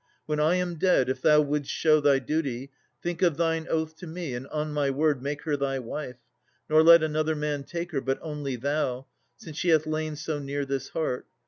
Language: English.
When I am dead, if thou wouldst show thy duty, Think of thine oath to me, and, on my word, Make her thy wife: nor let another man Take her, but only thou; since she hath lain So near this heart.